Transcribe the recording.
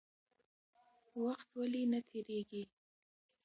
وخت ولې نه تېرېږي؟